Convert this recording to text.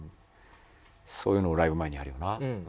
そういうのをライブ前にやるよな。